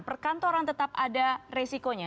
perkantoran tetap ada resikonya